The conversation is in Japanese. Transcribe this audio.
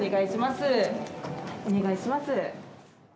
お願いします。